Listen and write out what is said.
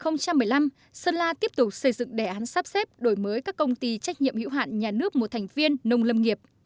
năm hai nghìn một mươi năm sơn la tiếp tục xây dựng đề án sắp xếp đổi mới các công ty trách nhiệm hữu hạn nhà nước một thành viên nông lâm nghiệp